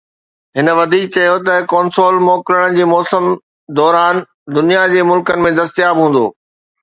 هن وڌيڪ چيو ته ڪنسول موڪلن جي موسم دوران دنيا جي ملڪن ۾ دستياب هوندو